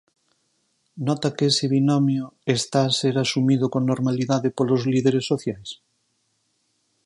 _¿Nota que ese binomio está a ser asumido con normalidade polos líderes sociais?